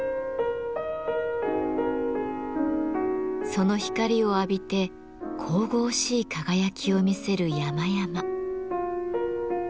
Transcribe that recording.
その光を浴びて神々しい輝きを見せる山々。